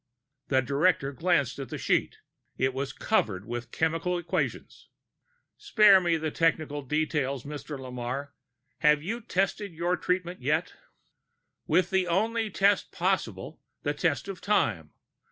The director glanced at the sheet; it was covered with chemical equations. "Spare me the technical details, Dr. Lamarre. Have you tested your treatment yet?" "With the only test possible, the test of time.